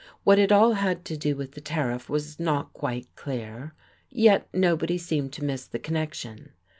What it all had to do with the tariff was not quite clear. Yet nobody seemed to miss the connection.